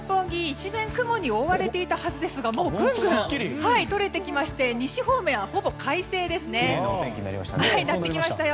一面雲に覆われていたはずですがもうぐんぐんとれてきまして西方面は、ほぼ快晴ですね。